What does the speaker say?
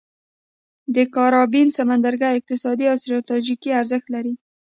د کارابین سمندرګي اقتصادي او ستراتیژیکي ارزښت لري.